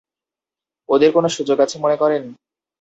ওদের কোন সুযোগ আছে মনে করেন?